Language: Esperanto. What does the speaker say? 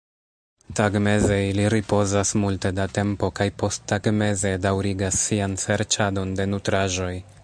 Tagmeze ili ripozas multe da tempo kaj posttagmeze daŭrigas sian serĉadon de nutraĵoj.